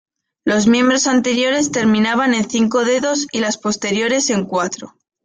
Los miembros anteriores terminaban en cinco dedos y las posteriores en cuatro.